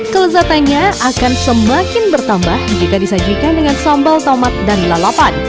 kelezatannya akan semakin bertambah jika disajikan dengan sambal tomat dan lalapan